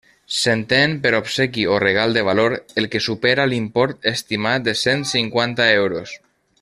S'entén per obsequi o regal de valor el que supera l'import estimat de cent cinquanta euros.